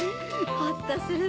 ホッとするわ。